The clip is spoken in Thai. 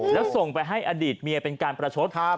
แล้วส่งไปให้อดีตเมียเป็นการประชดครับ